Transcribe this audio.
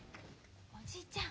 おじいちゃん！